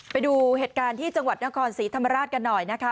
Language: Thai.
ไปดูเหตุการณ์ที่จังหวัดนครศรีธรรมราชกันหน่อยนะคะ